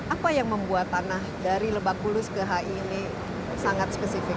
apa yang membuat tanah dari lebak bulus ke hi ini sangat spesifik